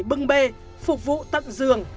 bưng bê phục vụ tận giường